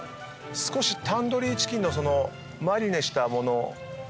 少しタンドリーチキンのマリネしたものも付いてる。